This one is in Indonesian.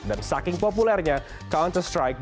dan saking populernya counter strike